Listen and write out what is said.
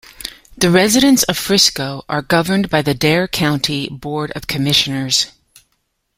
The residents of Frisco are governed by the Dare County Board of Commissioners.